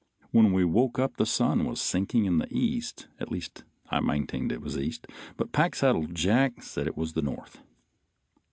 When we woke up the sun was sinking in the east, at least I maintained it was east, but Packsaddle Jack said it was in the north.